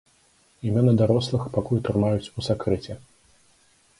Імёны дарослых пакуль трымаюць у сакрэце.